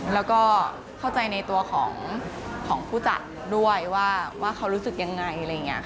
แล้วก็เข้าใจในตัวของผู้จัดด้วยว่าเขารู้สึกยังไงอะไรอย่างนี้ค่ะ